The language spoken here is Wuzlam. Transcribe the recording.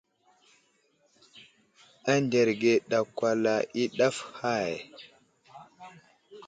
Anderge ɗakwala i ɗaf i hay.